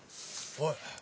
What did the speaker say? おい！